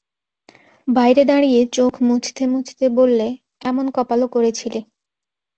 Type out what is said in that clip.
বাইরে দাঁড়িয়ে চোখ মুছতে মুছতে বললে, এমন কপালও করেছিলি।